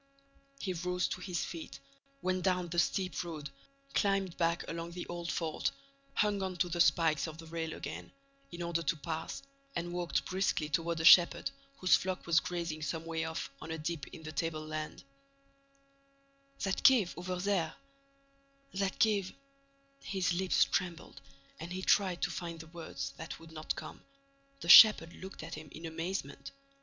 He rose to his feet, went down the steep road, climbed back along the old fort, hung on to the spikes of the rail again, in order to pass, and walked briskly toward a shepherd whose flock was grazing some way off on a dip in the tableland: "That cave, over there—that cave—" His lips trembled and he tried to find the words that would not come. The shepherd looked at him in amazement.